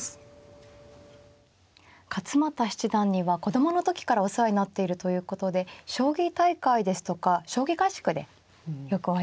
勝又七段には子供の時からお世話になっているということで将棋大会ですとか将棋合宿でよくお会いになってたそうですね。